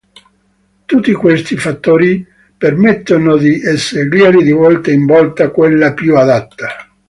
Tutti questi fattori permettono di scegliere di volta in volta quella più adatta.